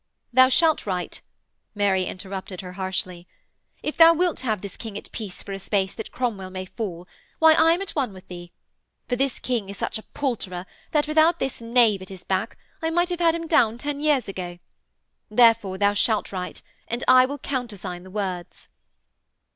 'Thou shalt write,' Mary interrupted her harshly. 'If thou wilt have this King at peace for a space that Cromwell may fall, why I am at one with thee. For this King is such a palterer that without this knave at his back I might have had him down ten years ago. Therefore, thou shalt write, and I will countersign the words.'